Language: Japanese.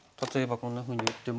こんなふうに打っても。